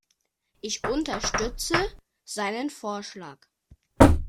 Ich unterstütze seinen Vorschlag.